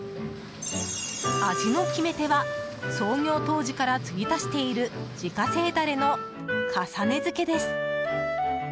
味の決め手は創業当時から継ぎ足している自家製ダレの重ね漬けです。